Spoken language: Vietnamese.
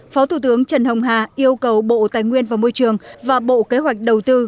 phó thủ tướng trần hồng hà yêu cầu bộ tài nguyên và môi trường và bộ kế hoạch đầu tư